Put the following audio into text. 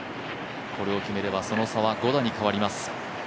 これを決めればその差は５打に変わります。